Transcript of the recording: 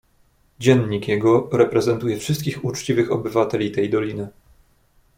"Dziennik jego reprezentuje wszystkich uczciwych obywateli tej doliny."